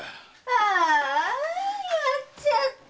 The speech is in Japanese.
ああやっちゃった！